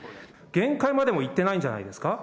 限界までも行ってないんじゃないんですか。